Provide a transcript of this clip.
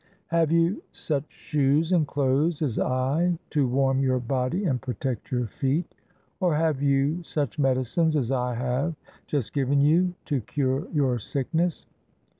"Have you such shoes and clothes as I to warm your body and protect your feet? Or have you such medicines as I have just given you to cure your sickness?"